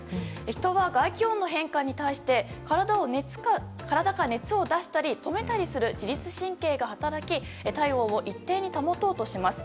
人は、外気温の変化に対して体から熱を出したり止めたりする自律神経が働き体温を一定に保とうとします。